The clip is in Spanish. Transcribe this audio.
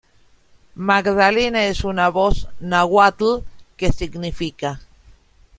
Magdalena es una voz náhuatl que significa.